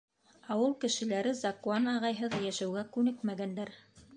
Ауыл кешеләре Закуан ағайһыҙ йәшәүгә күнекмәгәндәр.